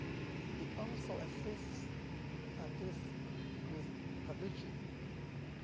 It also assists artists with publishing.